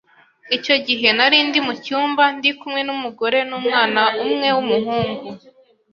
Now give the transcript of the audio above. icyo gihe narindi mu cyumba ndi kumwe n’umugore n’umwana umwe w’umuhungu